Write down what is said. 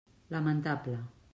Lamentable.